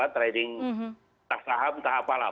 trading entah saham entah apalah